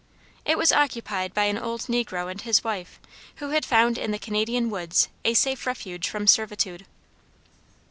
It was occupied by an old negro and his wife, who had found in the Canadian woods a safe refuge from servitude.